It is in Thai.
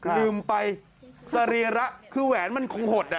ลืมไปสรีระคือแหวนมันคงหด